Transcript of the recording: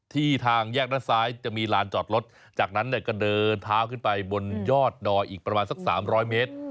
ทางแยกด้านซ้ายจะมีลานจอดรถจากนั้นก็เดินเท้าขึ้นไปบนยอดดอยอีกประมาณสัก๓๐๐เมตร